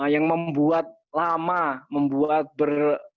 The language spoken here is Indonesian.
yang membuat lama membuat ber